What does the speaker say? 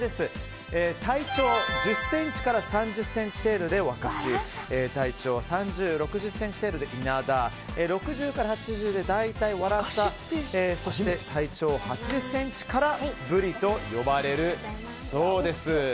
体長１０ｃｍから３０ｃｍ程度でワカシ体長３０から６０ｃｍ程度でイナダ６０から８０でワラサそして、体長８０ｃｍからブリと呼ばれるそうです。